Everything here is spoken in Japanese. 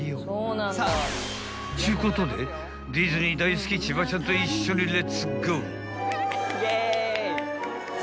［ちゅうことでディズニー大好き千葉ちゃんと一緒にレッツゴー］